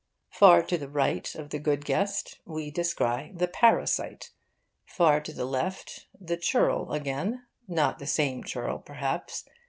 Far to the right of the good guest, we descry the parasite; far to the left, the churl again. Not the same churl, perhaps.